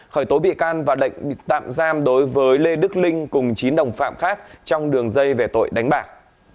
khởi tố bị can và lệnh tạm giam đối với lê đức linh cùng chín đồng phạm khác trong đường dây về tội đánh bạc